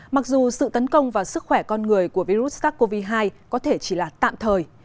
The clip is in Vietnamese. mặc dù sự tấn công vào sức khỏe con người của virus sars cov hai có thể chỉ là tạm thời